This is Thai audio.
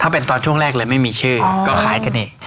เป็นตอนช่วงแรกเลยไม่มีชื่อก็คล้ายกันอีก